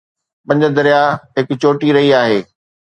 پنج درياهه هڪ چوڻي رهي آهي.